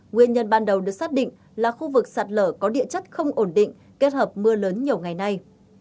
nguyên nhân ban đầu được xác định là khu vực sạt lở có địa chất không ổn định kết hợp mưa lớn nhiều ngày nay